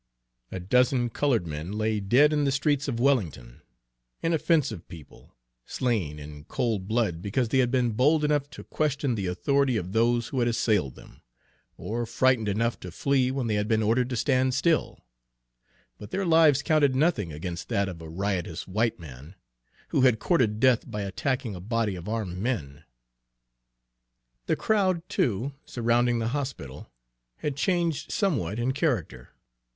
A dozen colored men lay dead in the streets of Wellington, inoffensive people, slain in cold blood because they had been bold enough to question the authority of those who had assailed them, or frightened enough to flee when they had been ordered to stand still; but their lives counted nothing against that of a riotous white man, who had courted death by attacking a body of armed men. The crowd, too, surrounding the hospital, had changed somewhat in character.